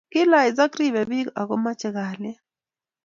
Kale Isaac ribe pik ako mache kalyet